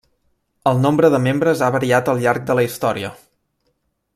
El nombre de membres ha variat al llarg de la història.